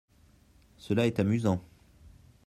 Cela est amusant.